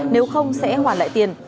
nếu không sẽ hoàn lại tiền